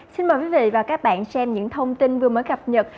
xin mời quý vị và các bạn xem những thông tin vừa mới cập nhật